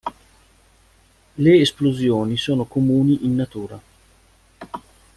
Le esplosioni sono comuni in natura.